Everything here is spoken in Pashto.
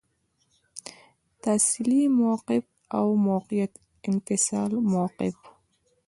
تحصیلي موقف او د موقت انفصال موقف.